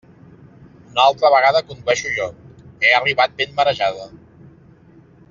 Una altra vegada condueixo jo; he arribat ben marejada.